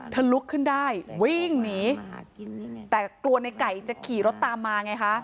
ลุกขึ้นได้วิ่งหนีแต่กลัวในไก่จะขี่รถตามมาไงคะ